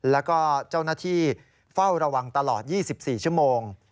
แล้วก็เจ้าหน้าที่เฝ้าระวังตลอด๒๔ชั่วโมง